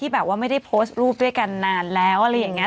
แบบว่าไม่ได้โพสต์รูปด้วยกันนานแล้วอะไรอย่างนี้